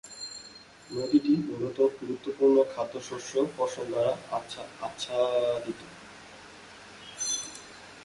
নদীটি মূলত গুরুত্বপূর্ণ খাদ্যশস্য ফসল দ্বারা আচ্ছাদিত।